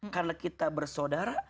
karena kita bersaudara